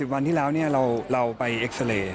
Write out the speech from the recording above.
วันที่แล้วเราไปเอ็กซาเรย์